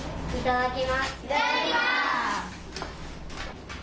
いただきます。